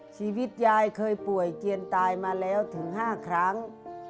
ชีวิตยายเคยป่วยเจียนตายมาแล้วถึง๕ครั้ง